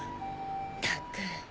ったく。